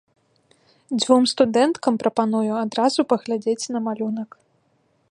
Дзвюм студэнткам прапаную адразу паглядзець на малюнак.